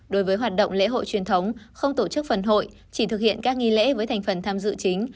đối với hoạt động lễ hội truyền thống không tổ chức phần hội chỉ thực hiện các nghi lễ với thành phần tham dự chính